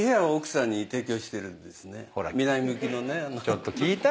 ちょっと聞いた？